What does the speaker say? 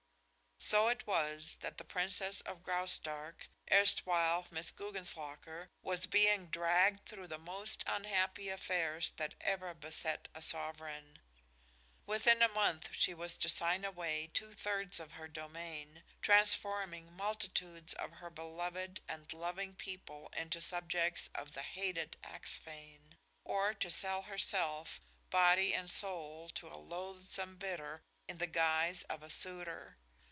So it was that the Princess of Graustark, erstwhile Miss Guggenslocker, was being dragged through the most unhappy affairs that ever beset a sovereign. Within a month she was to sign away two thirds of her domain, transforming multitudes of her beloved and loving people into subjects of the hated Axphain, or to sell herself, body and soul, to a loathsome bidder in the guise of a suitor.